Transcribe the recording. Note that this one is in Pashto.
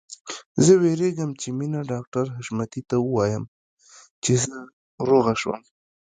زه وېرېږم چې مينه ډاکټر حشمتي ته ووايي چې زه روغه شوم